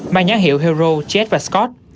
mang nhãn hiệu hero jet và scott